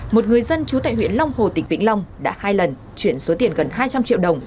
một người dân chú tại huyện long hồ tỉnh vĩnh long đã hai lần chuyển số tiền gần hai trăm linh triệu đồng